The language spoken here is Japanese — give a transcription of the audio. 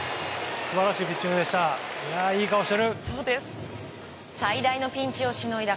素晴らしいピッチングでした。